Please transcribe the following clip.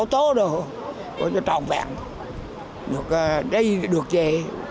mùa gió tốt rồi trọng vẹn đi được chế